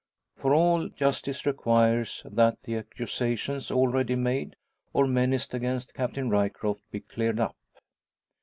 For all, justice requires that the accusations already made, or menaced, against Captain Ryecroft be cleared up.